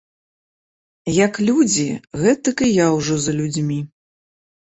Як людзі, гэтак і я ўжо за людзьмі.